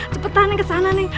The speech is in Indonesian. cepetan neng ke sana neng